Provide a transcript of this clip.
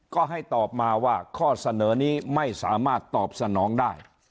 ก็ให้ตอบมาว่าข้อเสนอนี้ไม่สามารถตอบสนองได้